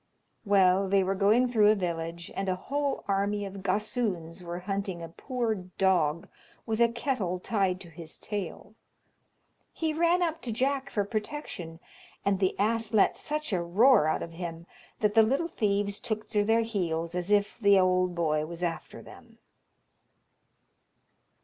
Well, they were going through a village, and a whole army of gossoons were hunting a poor dog with a kettle tied to his tail. He ran up to Jack for protection, and the ass let such a roar out of him, that the little thieves took to their heels as if the ould boy was after them.